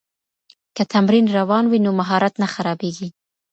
که تمرین روان وي نو مهارت نه خرابېږي.